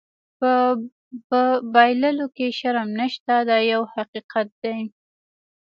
په بایللو کې شرم نشته دا یو حقیقت دی.